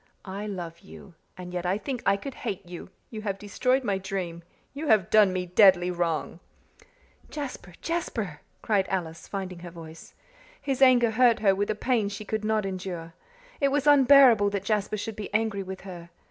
I love you and yet I think I could hate you you have destroyed my dream you have done me deadly wrong." "Jasper! Jasper!" cried Alice, finding her voice. His anger hurt her with a pain she could not endure. It was unbearable that Jasper should be angry with her.